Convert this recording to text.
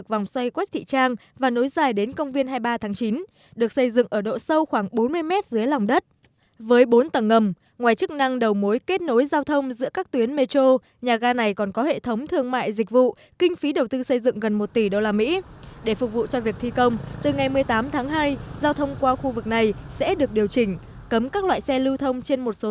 vòng xoay quách thị trang là nơi lưu giữ nhiều dấu ấn lịch sử một trong những điểm nổi bật của cảnh quan toàn khu vực chợ bến thành và đã được di rời vào năm hai nghìn một mươi bốn